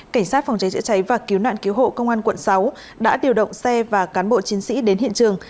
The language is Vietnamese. cảnh sát phòng cháy chữa cháy và cứu nạn cứu hộ công an quận sáu đã điều động xe và cán bộ chiến sĩ đến hiện trường